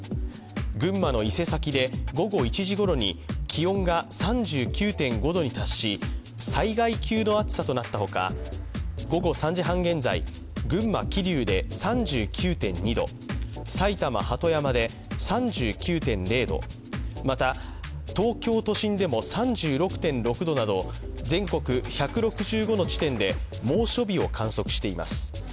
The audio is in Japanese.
群馬の伊勢崎で午後１時ごろに気温が３９．５度に達し災害給の暑さとなったほか、午後３時半現在、群馬・桐生で３９．２度、埼玉・鳩山で３９．０度、また東京都心でも３６．６度など、全国１６５の地点で猛暑日を観測しています。